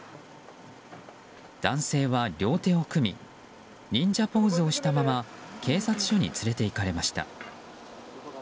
男性は両手を組み忍者ポーズをしたまま警察署に連れていかれました。